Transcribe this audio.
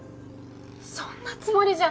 そんなつもりじゃ。